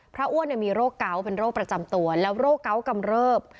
อ้วนมีโรคเกาะเป็นโรคประจำตัวแล้วโรคเกาะกำเริบ